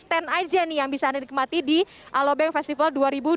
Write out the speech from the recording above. stand aja nih yang bisa anda nikmati di alobank festival